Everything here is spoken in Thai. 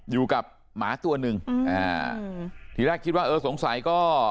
หมาตัวหนึ่งอืมอ่าทีแรกคิดว่าเออสงสัยก็